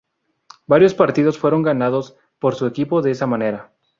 Varios partidos fueron ganados por su equipo de esa manera.